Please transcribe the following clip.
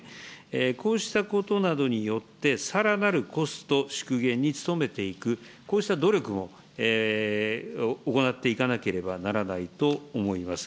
こうしたことなどによって、さらなるコスト縮減に努めていく、こうした努力も行っていかなければならないと思います。